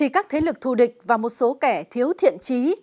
các thế lực thù địch và một số kẻ thiếu thiện trí